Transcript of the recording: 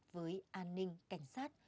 với an ninh cảnh sát